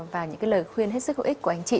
và những lời khuyên hết sức hữu ích của anh chị